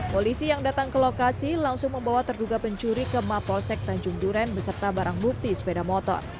polisi yang datang ke lokasi langsung membawa terduga pencuri ke mapolsek tanjung duren beserta barang bukti sepeda motor